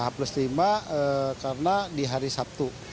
h lima karena di hari sabtu